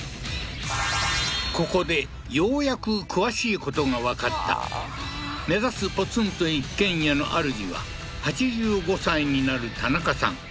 ここでようやく詳しいことがわかった目指すポツンと一軒家のあるじは８５歳になるタナカさん